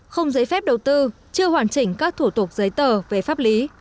không giấy phép đầu tư chưa hoàn chỉnh các thủ tục giấy tờ về pháp lý